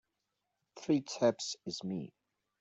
Three taps is me.